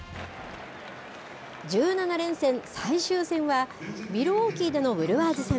１７連戦最終戦は、ミルウォーキーでのブルワーズ戦。